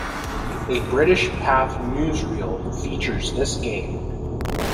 A British Pathe newsreel features this game.